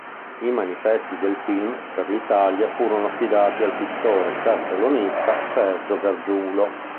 I manifesti del film per l'Italia, furono affidati al pittore cartellonista Sergio Gargiulo.